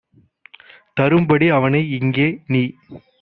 தரும்படி அவனை இங்கே - நீ